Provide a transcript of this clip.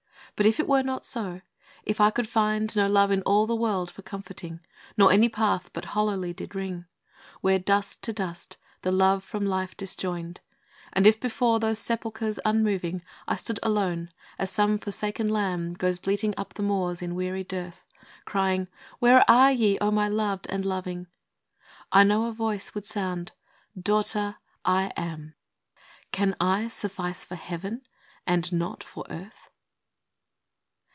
But if it were not so, — if I could find No love in all the world for comforting, Nor any path but hollowly did ring, Where "dust to dust"the love from life disjoined And if before those sepulchres unmoving I stood alone (as some forsaken lamb Goes bleating up the moors in weary dearth), Crying, " Where are ye, O my loved and loving?" I know a Voice would sound, " Daughter, I AM. Can I suffice for Heaven, and not for earth